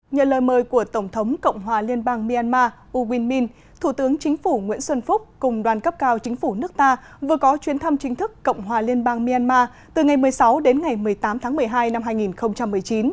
nhờ lời mời của tổng thống cộng hòa liên bang myanmar u win min thủ tướng chính phủ nguyễn xuân phúc cùng đoàn cấp cao chính phủ nước ta vừa có chuyến thăm chính thức cộng hòa liên bang myanmar từ ngày một mươi sáu đến ngày một mươi tám tháng một mươi hai năm hai nghìn một mươi chín